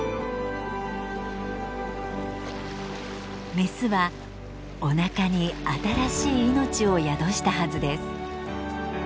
メスはおなかに新しい命を宿したはずです。